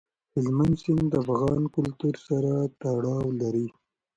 هلمند سیند د افغان کلتور سره تړاو لري.